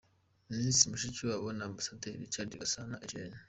Minisitiri Mushikiwabo na Amabasaderi Richard Gasana Eugene